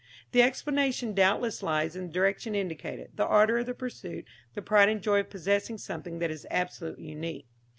The explanation doubtless lies in the direction indicated the ardour of the pursuit, the pride and joy of possessing something that is absolutely unique.